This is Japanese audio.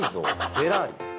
フェラーリ。